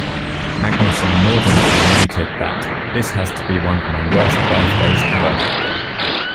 Magnusson mordantly noted that "This has to be one of my worst birthdays ever".